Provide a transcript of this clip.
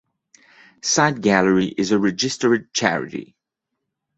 Site Gallery is a registered charity.